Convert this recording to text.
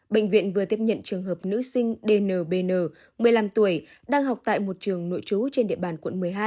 bệnh viện vừa tiếp nhận trường hợp nữ sinh dnbn một mươi năm tuổi đang học tại một trường nội trú trên địa bàn quận một mươi hai